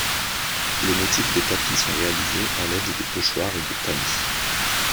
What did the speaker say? Les motifs des tapis sont réalisés à l'aide de pochoirs et de tamis.